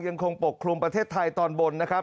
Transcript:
ปกคลุมประเทศไทยตอนบนนะครับ